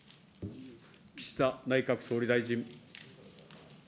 岸田内閣総理大臣。